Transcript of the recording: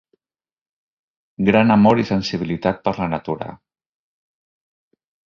Gran amor i sensibilitat per la natura.